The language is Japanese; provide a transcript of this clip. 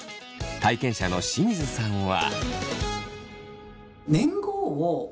体験者の清水さんは。